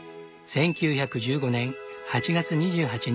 １９１５年８月２８日